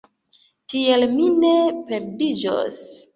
Tiel, mi ne perdiĝos.